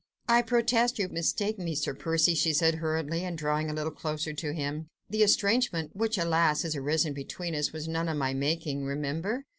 "I protest you mistake me, Sir Percy," she said hurriedly, and drawing a little closer to him; "the estrangement, which, alas! has arisen between us, was none of my making, remember."